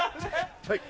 はい。